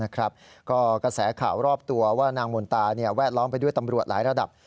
ก็กระแสข่าวรอบตัวว่านางมนตาแวดล้อมไปด้วยตำรวจหลายระดับ